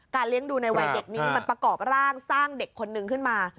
เลี้ยงดูในวัยเด็กนี้มันประกอบร่างสร้างเด็กคนนึงขึ้นมา